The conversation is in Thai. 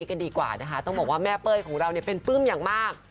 กันดีกว่านะคะต้องบอกว่าแม่เป้ยของเราเนี่ยเป็นปลื้มอย่างมาก